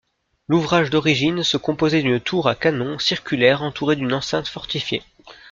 L'ouvrage d'origine se composait d'une tour à canon circulaire entourée d'une enceinte fortifiée.